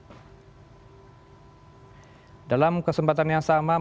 yang akan menemukan balapan di circuit mandalika